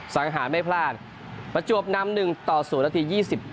สังหารไม่พลาดประจวบนำ๑ต่อ๐นาที๒๗